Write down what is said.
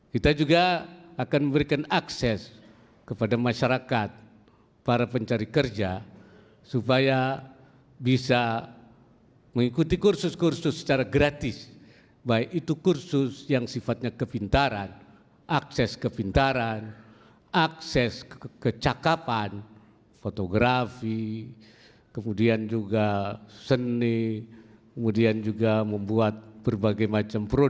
kita juga akan memberikan akses kepada masyarakat para pencari kerja supaya bisa mengikuti kursus kursus secara gratis baik itu kursus yang sifatnya kepintaran akses kepintaran akses kecakapan fotografi kemudian juga seni kemudian juga membuat berbagai macam produk